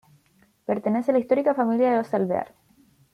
Pertenece a la histórica familia de los Alvear.